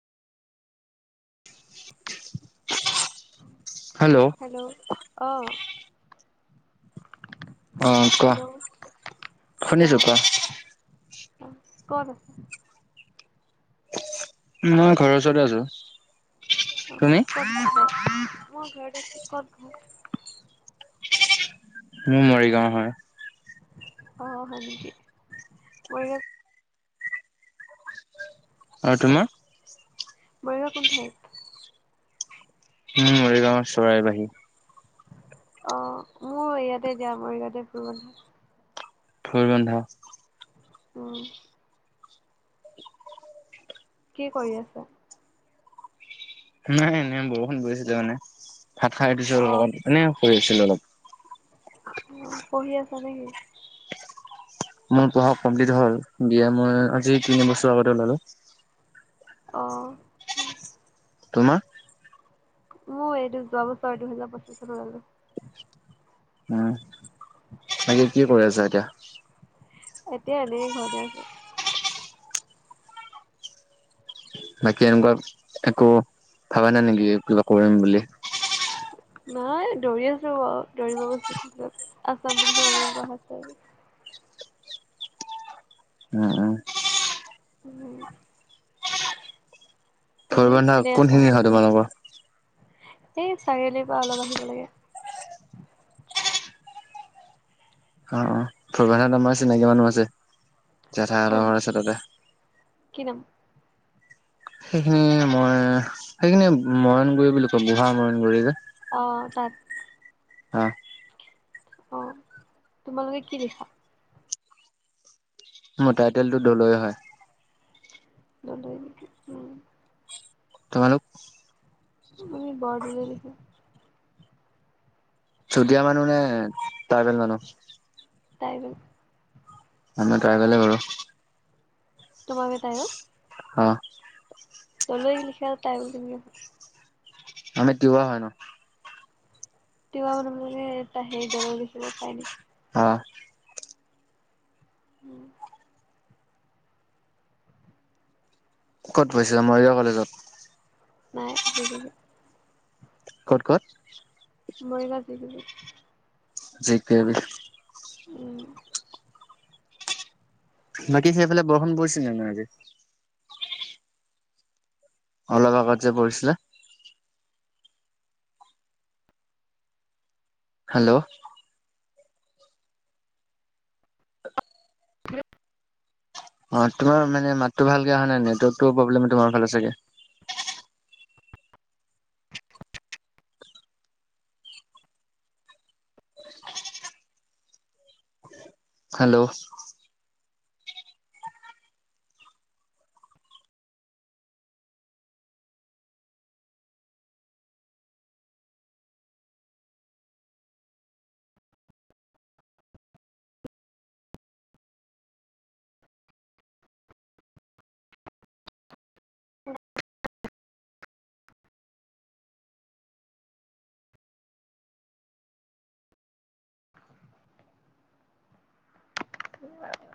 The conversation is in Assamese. [inaudible] হেল্ল'। হেল্ল', অ'। অ কোৱা হেল্ল', শুনিছো অ', কোৱা অ', ক'ত আছা। মই ঘৰৰ ওচৰতে আছো। তুমি [unintelligible] ক'ত ঘৰ? মোৰ মৰিগাঁও হয়। অ', হয় নেকি? মৰিগাঁও আৰু তোমাৰ? মৰিগাঁও কোন ঠাইত? মোৰ মৰিগাঁৱৰ চৰাই বাহী। অ', মোৰ ইয়াতে দিয়া মৰিগাঁৱতে ফুৰবন্ধাত। ফুৰবন্ধা। উম। কি কৰি আছা? নাই এনে বৰষুণ পৰিছিল মানে, ভাত খাই উঠিছো অলপ অ', আগত এনে শুই আছিলো অলপ। অ', পঢ়ি আছা নেকি। মোৰ পঢ়া কমপ্লিট হ'ল বি এ মই আজি তিনি বছৰ আগতে ওলালো। অ'। উম। তোমা? মোৰ এইটো যোৱা বছৰ দুহেজাৰ পঁচিশত ওলালোঁ। উম বাকী কি কৰি আছা এতিয়া? এতিয়া এনেই ঘৰতে আছো। বাকী এনেকুৱা একো ভাবা নাই নেকি কিবা কৰিম বুলি? নাই দৌৰি আছো, দৌৰিব গৈছো আছাম পুলিচৰ অনলাইন কৰা হৈ আছে। উম উম। উম। তুমি ভৈৰৱন্ধা এনেই আছা কোনখিনি হয় তোমালোকৰ এই চাৰিআলিৰ পৰা অলপ আহিব লাগে। অ অ ফুলবন্ধাত আমাৰ চিনাকি মানুহ আছে। জেঠাইহঁতৰ কোন ঘৰ আছে তাতে। কি নাম সেইখিনি মই সেইখিনি মৰানগুৰি বুলি কয় বুঢ়া মৰাণ গুৰি যে। অ তাত। অ। অ তোমালোকে কি লিখা মোৰ টাইটেলটো দলৈ হয়। দলৈ নেকি উম। তোমালোক আমি বৰদলৈ লিখোঁ। চুতীয়া মানুহ নে ট্ৰাইবেল মানুহ ট্ৰাইবেল। আমি ট্ৰাইবেলে বাৰু। তোমালোকে ট্ৰাইবেল অ। দলৈ লিখা ট্ৰাইবেল কেনেকে হয় আমি তিৱা হয় ন। তিৱা মানুহবিলাকে হেৰি দলৈ লিখিব পাৰে নেকি অ। উম। ক'ত পঢ়িছা মৰিগাঁও কলেজত নাই [unintelligible] ক'ত ক'ত মৰিগাঁও জি কে বিত। জি কে বি ত। উম। বাকী সেইফালে বৰষুণ পৰিছে নে নাই আজি অলপ আগত যে পৰিছিলে হেল্ল' অ তোমাৰ মানে মাতটো ভালকে অহা নাই নেটৱৰ্কটো প্ৰব্লেম তোমাৰ ফালে চাগে হেল্ল' [unintelligible] এইয়া আৰু